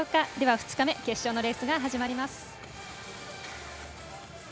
２日目、決勝のレースが始まります。